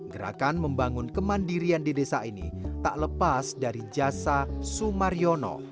gerakan membangun kemandirian di desa ini tak lepas dari jasa sumaryono